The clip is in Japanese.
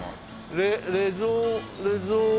レレゾレゾーノ。